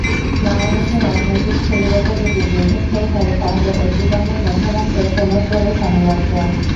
বাংলাদেশে রাজনৈতিক স্থবিরতা যদি দীর্ঘস্থায়ী হয়, তাহলে অতি-বামের মধ্যমঞ্চে পুনঃপ্রবেশ অনিবার্য।